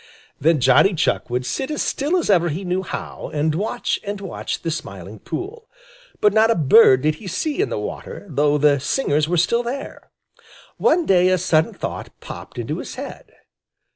Then Johnny Chuck would sit as still as ever he knew how, and watch and watch the Smiling Pool, but not a bird did he see in the water, though the singers were still there. One day a sudden thought popped into his head.